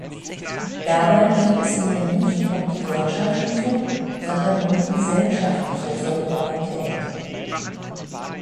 Dabei geht es mir nicht um die wirtschaftliche, sondern um die gesellschaftliche Solidarität.